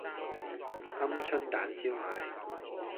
鵪鶉蛋燒賣